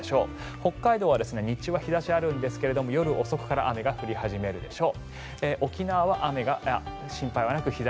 北海道では日中日差しがあるんですが夜遅くから雨が降り始めるでしょう。